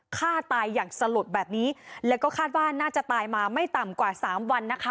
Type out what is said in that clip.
ฆ่าตายอย่างสลดแบบนี้แล้วก็คาดว่าน่าจะตายมาไม่ต่ำกว่าสามวันนะคะ